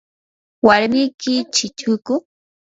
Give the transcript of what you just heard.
¿warmiki chichuku?